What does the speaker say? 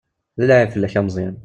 D lεib fell-ak a Meẓyan.